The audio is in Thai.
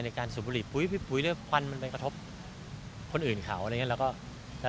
สูบบุหรีปุ๋ยพี่ปุ๋ยแล้วควันมันไปกระทบคนอื่นเขาอะไรอย่างนี้